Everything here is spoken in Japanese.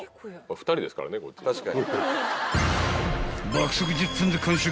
［爆速１０分で完食］